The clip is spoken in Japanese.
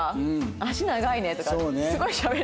足長いねとかすごいしゃべりますね。